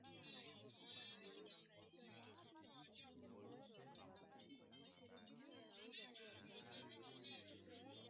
Idadi ya wanyama wanaoathirika hutofautiana kutegemea eneo husika kulingana na idadi ya kupe